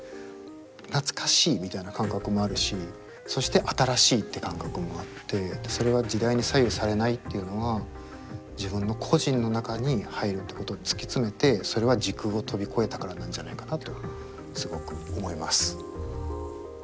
懐かしいみたいな感覚もあるしそして新しいって感覚もあってそれは時代に左右されないっていうのは自分の個人の中に入るってことを突き詰めてそれは時空を飛び越えたからなんじゃないかなとすごく思います。